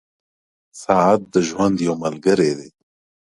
• ساعت د ژوند یو ملګری دی.